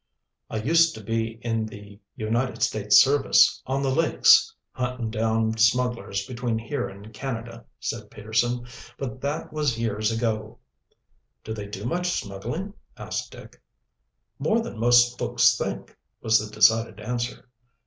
"I used to be in the United States service on the lakes, hunting down smugglers between here and Canada," said Peterson. "But that was years ago." "Do they do much smuggling?" asked Dick. "More than most folks think," was the decided answer.